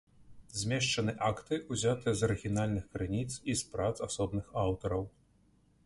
Змешчаны акты, ўзятыя з арыгінальных крыніц і з прац асобных аўтараў.